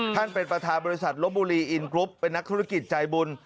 เป็นประธานบริษัทลบบุรีอินกรุ๊ปเป็นนักธุรกิจใจบุญ